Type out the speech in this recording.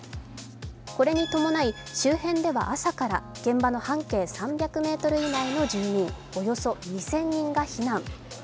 これに伴い周辺では朝から現場の半径３００ｍ以内の住民およそ２０００人が避難。